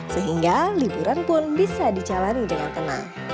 sehingga liburan pun bisa dijalani dengan tenang